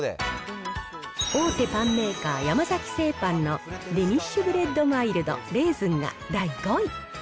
大手パンメーカー、山崎製パンのデニッシュブレッドマイルド・レーズンが、第５位。